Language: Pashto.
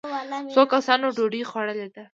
څو کسانو ډوډۍ خوړلې ده.